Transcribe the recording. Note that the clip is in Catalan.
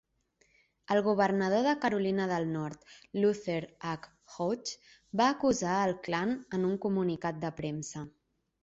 El governador de Carolina del Nord, Luther H. Hodges, va acusar el Klan en un comunicat de premsa.